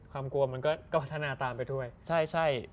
ความกลัวมันก็พัฒนาตามไปด้วย